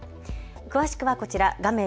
詳しくはこちら画面